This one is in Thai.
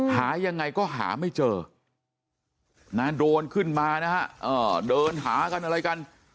หายังไงก็หาไม่เจอโดนขึ้นมานะฮะเดินหากันอะไรกัน